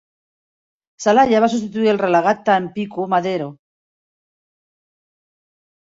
Celaya va substituir el relegat Tampico Madero.